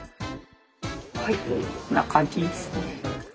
はいこんな感じですね。